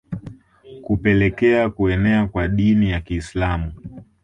Kupelekea kuenea kwa Dini ya Kiislamu